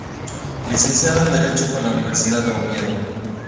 Licenciado en Derecho por la Universidad de Oviedo.